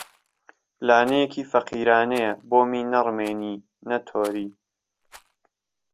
لانهیهکی فهقیرانهیه بۆمی نهڕمێنی، نهتۆری